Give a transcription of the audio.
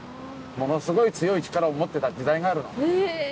ものすごい強い力を持ってた時代があるの。